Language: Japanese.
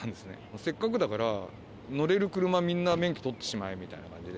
せっかくだから乗れる車、みんな免許取ってしまえみたいな感じで。